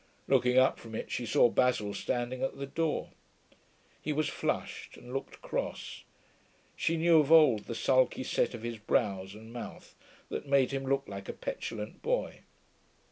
Looking up from it, she saw Basil standing at the door. He was flushed, and looked cross; she knew of old the sulky set of his brows and mouth, that made him look like a petulant boy.